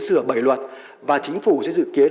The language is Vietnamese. sửa bảy luật và chính phủ sẽ dự kiến